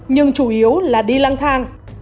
nhưng chủ yếu là đi lăng thang